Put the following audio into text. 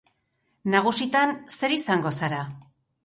Nagusitan zer izango zara?